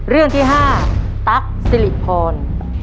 เรื่องที่๕ตั๊กสิริพร